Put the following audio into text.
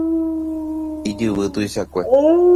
Ijyvy tuichakue.